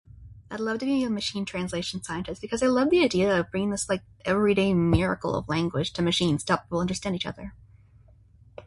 I'd love to be a machine translation scientist because I love the idea of bringing this, like, everyday miracle of language to machines that will understand each other.